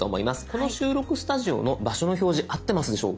この収録スタジオの場所の表示合ってますでしょうか？